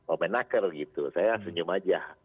alternatif saya senyum saja